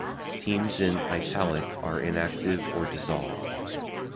Teams in "italic" are inactive or dissolved.